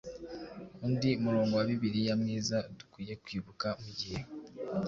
undi murongo wa Bibiliya mwiza dukwiye kwibuka mu gihe